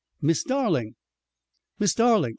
"Miss Darling." "Miss Darling!